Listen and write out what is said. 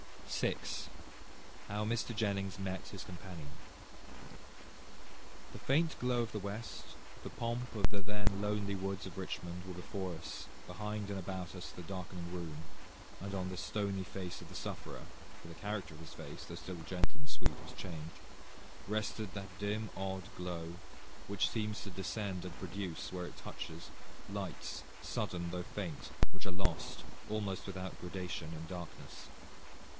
CHAPTER VI How Mr. Jennings Met His Companion The faint glow of the west, the pomp of the then lonely woods of Richmond, were before us, behind and about us the darkening room, and on the stony face of the sufferer for the character of his face, though still gentle and sweet, was changed rested that dim, odd glow which seems to descend and produce, where it touches, lights, sudden though faint, which are lost, almost without gradation, in darkness.